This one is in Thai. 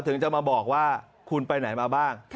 ถึงจะมาบอกว่าคุณไปไหนมาบ้าง